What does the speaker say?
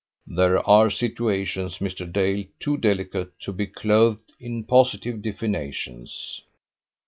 "There are situations, Mr. Dale, too delicate to be clothed in positive definitions."